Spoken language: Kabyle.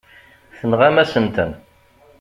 Tenɣam-asen-ten.